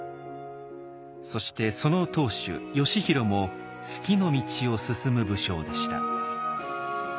そしてその当主義弘も数寄の道を進む武将でした。